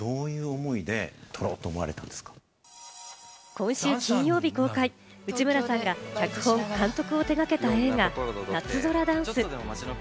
今週金曜日公開、内村さんが脚本・監督を手がけた映画『夏空ダンス』。